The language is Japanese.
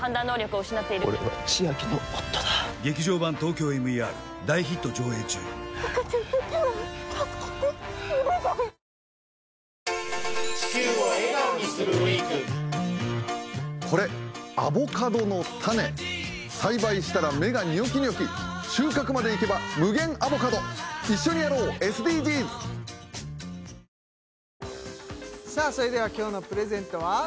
キッコーマンこれアボカドの種栽培したら芽がニョキニョキ収穫までいけば無限アボカド一緒にやろう、ＳＤＧｓさあそれでは今日のプレゼントは？